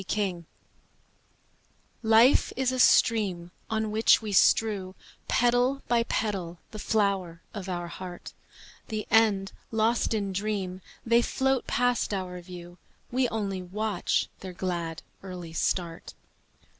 Petals Life is a stream On which we strew Petal by petal the flower of our heart; The end lost in dream, They float past our view, We only watch their glad, early start.